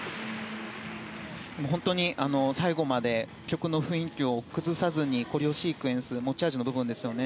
本当に、最後まで曲の雰囲気を崩さずにコレオシークエンス持ち味の部分ですね。